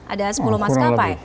ada sepuluh maskapai